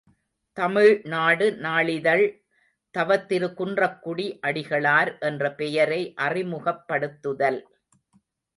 ● தமிழ்நாடு நாளிதழ் தவத்திரு குன்றக்குடி அடிகளார் என்ற பெயரை அறிமுகப்படுத்துதல்.